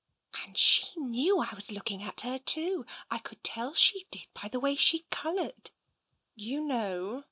" And she knew I was looking at her, too. I could tell she did, by the way she coloured. You know.